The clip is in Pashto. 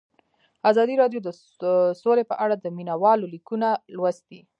ازادي راډیو د سوله په اړه د مینه والو لیکونه لوستي.